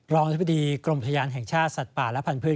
อธิบดีกรมอุทยานแห่งชาติสัตว์ป่าและพันธุ์